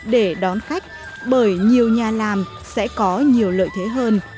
để đón khách bởi nhiều nhà làm sẽ có nhiều lợi thế hơn